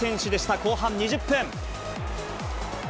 後半２０分。